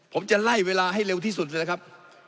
ผมจะไล่เวลาให้เร็วที่สุดนะครับ